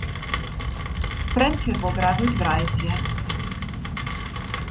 Frjentsjer wol graach útwreidzje.